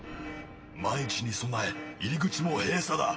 万一に備え入り口も閉鎖だ。